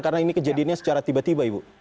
karena ini kejadiannya secara tiba tiba ibu